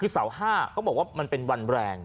เสา๕ก็บอกว่ามันเป็นวันแรง